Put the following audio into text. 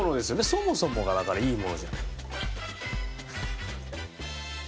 そもそもがだからいいものじゃない。